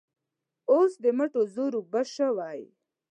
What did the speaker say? اوس د مټو زور اوبه شوی.